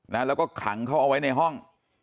แล้วก็ขังเขาเอาไว้ในห้อง